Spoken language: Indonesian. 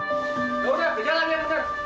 gak udah kerja lagi ya teman